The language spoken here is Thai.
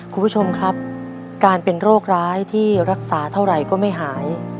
คุณผู้ชมครับการเป็นโรคร้ายที่รักษาเท่าไหร่ก็ไม่หาย